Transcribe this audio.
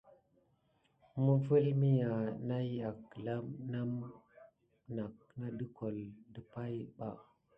Məvel miha nayakela name nat de kole dipay ɓa.